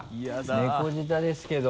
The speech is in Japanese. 猫舌ですけど。